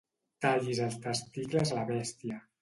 Tallis els testicles a la bèstia.